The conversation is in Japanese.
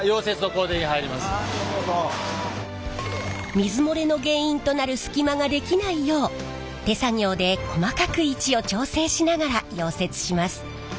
水漏れの原因となる隙間が出来ないよう手作業で細かく位置を調整しながら溶接します。